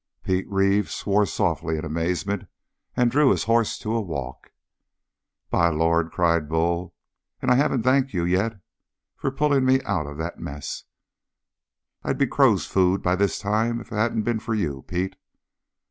Pete Reeve swore softly in amazement and drew his horse to a walk. "By the Lord," cried Bull, "and I haven't thanked you yet for pulling me out of that mess. I'd be crow's food by this time if it hadn't been for you, Pete!"